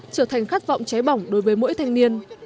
trở thành khát vọng cháy bỏng đối với mỗi thanh niên